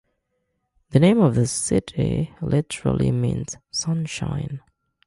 The name of the city literally means "sunshine".